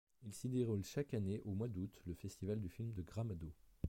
Il s'y déroule chaque année au mois d'août le Festival du film de Gramado.